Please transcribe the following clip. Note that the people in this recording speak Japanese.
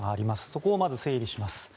そこをまず整理します。